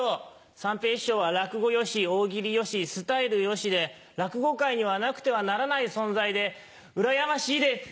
三平師匠は落語良し「大喜利」良しスタイル良しで落語界にはなくてはならない存在でうらやましいです！